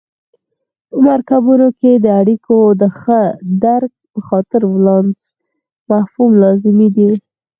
په مرکبونو کې د اړیکو د ښه درک په خاطر ولانس مفهوم لازم دی.